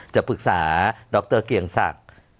จะปรึกษาก๓อย่างศักดิ์